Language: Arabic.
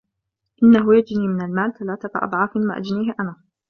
انه يجني من المال ثلاثة اضعاف ما اجنيه انا.